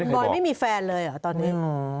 บอยไม่มีแฟนเลยเหรอตอนนี้